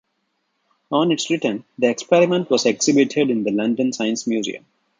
On its return, the experiment was exhibited in the London Science Museum.